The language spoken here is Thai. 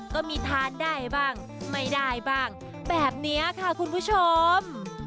ก็มีทานได้บ้างไม่ได้บ้างแบบนี้ค่ะคุณผู้ชม